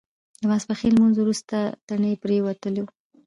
د ماسپښین لمونځ وروسته تڼۍ پرېوتلو.